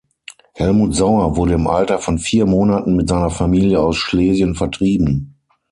Helmut Sauer wurde im Alter von vier Monaten mit seiner Familie aus Schlesien vertrieben.